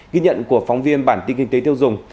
ghi nhận của phóng viên bản tin kinh tế tiêu dùng